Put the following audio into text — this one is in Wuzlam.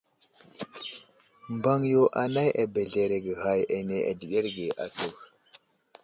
Mbaŋ yo anay abəzləreege ghay áne adəɗerge atu.